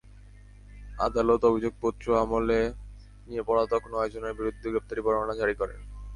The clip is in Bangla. আদালত অভিযোগপত্র আমলে নিয়ে পলাতক নয়জনের বিরুদ্ধে গ্রেপ্তারি পরোয়ানা জারি করেন।